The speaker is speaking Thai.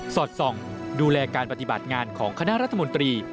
สอดส่องดูแลการปฏิบัติงานของคณะรัฐมนตรี